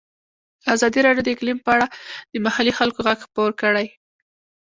ازادي راډیو د اقلیم په اړه د محلي خلکو غږ خپور کړی.